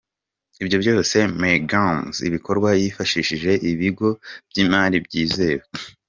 Ibyo byose Mergims ibikora yifashishije ibigo by’imari byizewe.